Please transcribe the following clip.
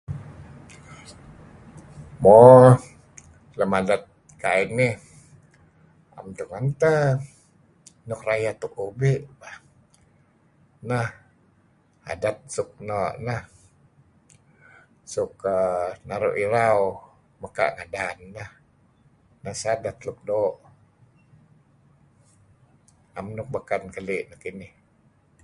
Mo lem adet kai nih am tungen teh luk rayeh tu'uh be' neh adet suk no' nah suk err naru' iraw mekaa' ngadan inah neh sah adet luk doo' am nuk beken keli' kuh kinih